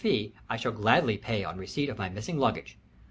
fee I shall gladly pay on receipt of my missing luggage.